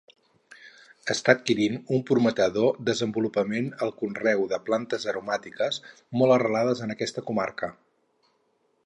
Està adquirint un prometedor desenvolupament el conreu de plantes aromàtiques, molt arrelades en aquesta comarca.